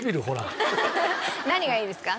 何がいいですか？